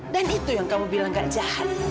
dan itu yang kamu bilang nggak jahat